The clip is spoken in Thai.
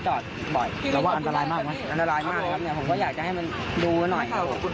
ตอนนี้ก็หลุดโค้งบ่อยด้วย